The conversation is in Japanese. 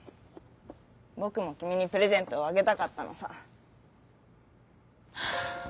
ぼくもきみにプレゼントをあげたかったのさ」。